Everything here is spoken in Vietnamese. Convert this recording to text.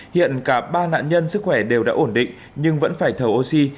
hiện cả ba nạn nhân sức khỏe đều đã ổn định nhưng vẫn phải thở oxy